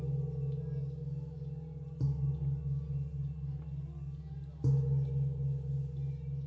มันถึงครบนักฐานใต้ความลับเคยจริงได้